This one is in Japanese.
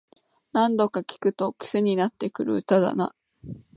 何度か聴くとクセになってくる歌だな